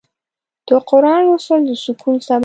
د قرآن لوستل د سکون سبب دی.